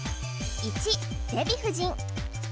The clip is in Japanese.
１デヴィ夫人